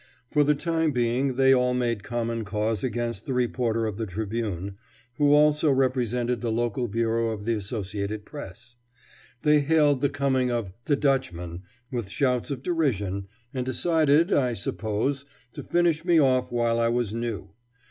For the time being they all made common cause against the reporter of the Tribune, who also represented the local bureau of the Associated Press. They hailed the coming of "the Dutchman" with shouts of derision, and decided, I suppose, to finish me off while I was new.